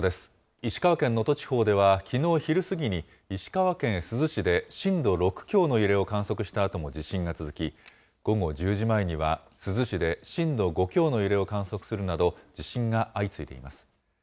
石川県能登地方では、きのう昼過ぎに、石川県珠洲市で震度６強の揺れを観測したあとも地震が続き、午後１０時前には珠洲市で震度５強の揺れを観測するなど、地震が相次いでいます。